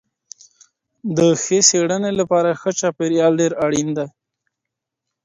د ښې څېړني لپاره ښه چاپیریال ډېر اړین دی.